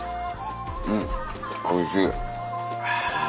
うんおいしい。